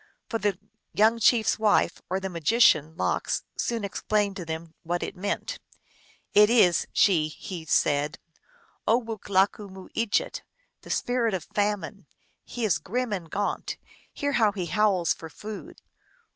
But the young chief s wife, or the magician Lox, soon explained to them what it meant. " It is," she he said, " Owoolakumooejit, the Spirit of Famine. He is grim and gaunt ; hear how he howls for food